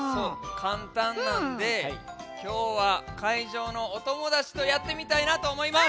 かんたんなんできょうはかいじょうのおともだちとやってみたいなとおもいます。